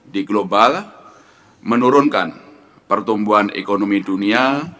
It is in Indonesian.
di global menurunkan pertumbuhan ekonomi dunia